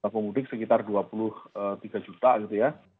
pemudik sekitar dua puluh tiga juta gitu ya